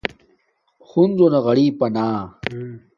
ہنزو نا غریپا نا